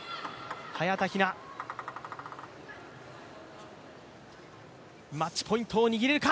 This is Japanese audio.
早田ひな、マッチポイントを握れるか。